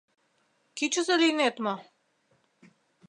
Кӱчызӧ лийнет мо?